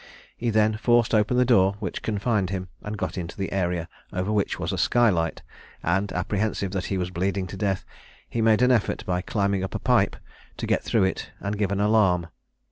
He then forced open the door which confined him, and got into the area, over which was a skylight, and, apprehensive that he was bleeding to death, he made an effort, by climbing up a pipe, to get through it, and give an alarm.